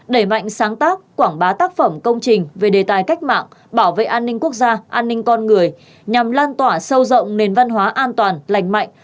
đẩy mạnh sáng tác quảng bá tác phẩm công trình về đề tài cách mạng bảo vệ an ninh quốc gia an ninh con người nhằm lan tỏa sâu rộng nền văn hóa an toàn lành mạnh